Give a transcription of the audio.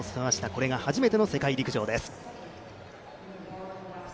これが初めての世界陸上です。